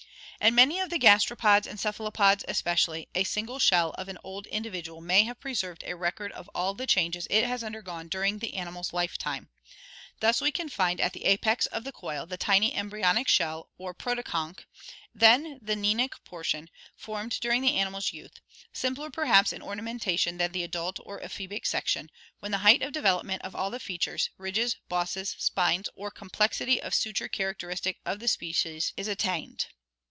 In many of the gastropods and cephalopods especially, a single shell of an old individual may have preserved a record of all of the changes it has undergone during the animal's lifetime. Thus we can find at the apex of the coil the tiny embryonic shell or proto conch, then the neanic portion, formed during the animal's youth, simpler perhaps in ornamentation than the adult or ephebic section when the height of development of all of the features, ridges, bosses, spines or complexity of suture characteristic of the species is at 2i 8 ORGANIC EVOLUTION tained.